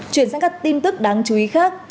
chuyển sang các tin tức đáng chú ý khác